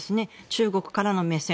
中国からの目線